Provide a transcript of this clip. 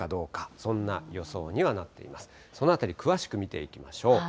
そのあたり、詳しく見ていきましょう。